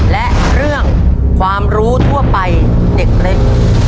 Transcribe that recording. และเรื่องความรู้ทั่วไปเด็กเล็ก